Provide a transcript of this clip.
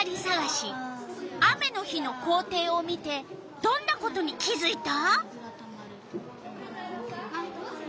雨の日の校庭を見てどんなことに気づいた？